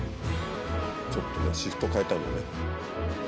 ちょっとねシフトを変えたのね。